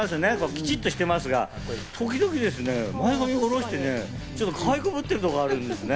きちっとしてますが、時々ですね、前髪を下ろして、かわいこぶってるところがあるんですよ。